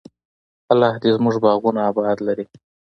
الله دې زموږ باغونه اباد لري.